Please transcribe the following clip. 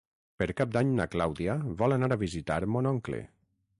Per Cap d'Any na Clàudia vol anar a visitar mon oncle.